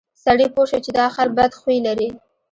سړي پوه شو چې دا خر بد خوی لري.